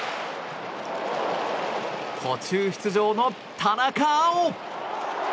途中出場の田中碧！